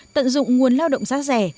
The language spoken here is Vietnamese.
tận dụng nguồn lao động rác rẻ